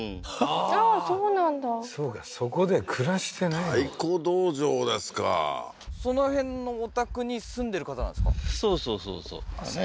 ああーそうなんだそうかそこで暮らしてないのか太鼓道場ですかその辺のお宅に住んでる方なんですか？